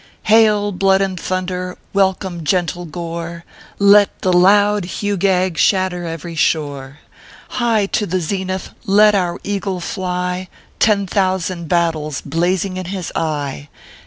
" Hail, blood and thunder 1 welcome, gentle Gore 1 Let the loud hewgag shatter every shore 1 High to the zenith let our eagle fly, Ten thousand battles blazing in his eye